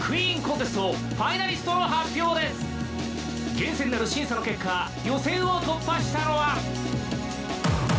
［厳正なる審査の結果予選を突破したのは］